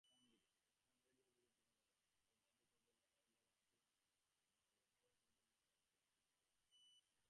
দুই বছর বয়সেই শোবিজ জগতের সঙ্গে পলকে পরিচয় করিয়ে দিয়েছিলেন তাঁর মা।